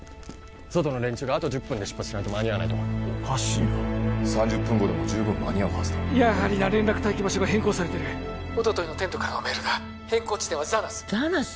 外の連中があと１０分で出発しないと間に合わないとおかしいな３０分後でも十分間に合うはずだやはりな連絡待機場所が変更されてるおとといのテントからのメールだ変更地点はザナスザナス？